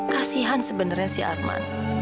kasihan sebenernya si arman